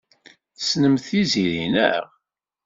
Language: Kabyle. Tessnemt Tiziri, naɣ?